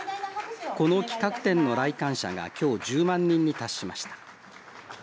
この企画展の来館者がきょう１０万人に達しました。